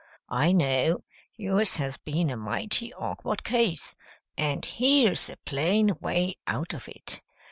I know yours has been a mighty awkward case, and here's a plain way out of it.